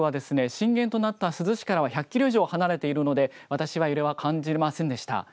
震源となった珠洲市からは１００キロ以上離れているので私は揺れは感じませんでした。